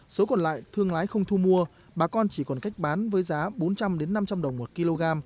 số còn lại thương lái không thu mua bà con chỉ còn cách bán với giá bốn trăm linh năm trăm linh đồng một kg